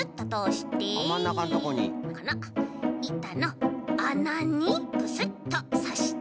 このいたのあなにプスッとさして。